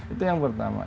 itu yang pertama